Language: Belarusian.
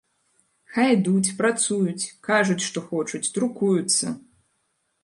Хай ідуць, працуюць, кажуць, што хочуць, друкуюцца!